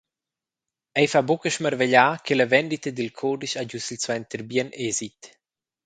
Ei fa buca smarvegliar che la vendita dil cudisch ha giu silsuenter bien esit.